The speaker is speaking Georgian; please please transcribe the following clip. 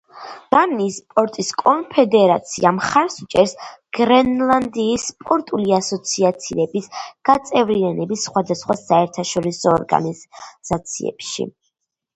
დანიის სპორტის კონფედერაცია მხარს უჭერს გრენლანდიის სპორტული ასოციაციების გაწევრიანებას სხვადასხვა საერთაშორისო ორგანიზაციებში.